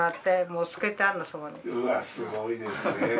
うわすごいですね